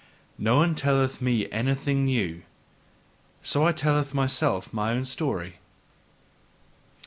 No one telleth me anything new, so I tell myself mine own story.